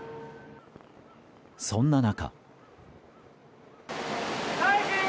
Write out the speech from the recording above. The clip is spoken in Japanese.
そんな中。